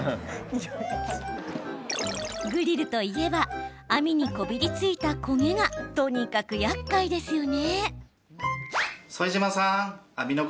グリルといえば網にこびりついた焦げがとにかく、やっかいですよね。